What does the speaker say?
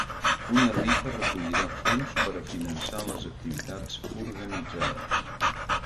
Una rifa recollirà fons per a finançar les activitats organitzades.